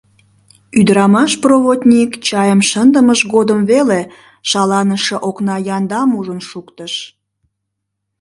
Ӱдырамаш проводник чайым шындымыж годым веле шаланыше окна яндам ужын шуктыш.